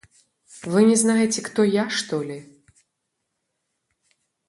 Вы не знаете, кто я, что ли?